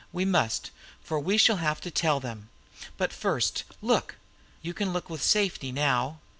"We must, for we shall have to tell them. But first look! You can look with safety now."